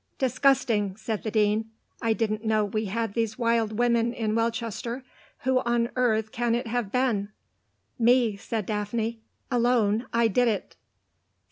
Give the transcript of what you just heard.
"Disgusting," said the Dean. "I didn't know we had these wild women in Welchester. Who on earth can it have been?" "Me," said Daphne. "Alone I did it."